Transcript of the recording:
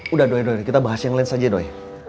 udah doi kita bahas yang lain saja doi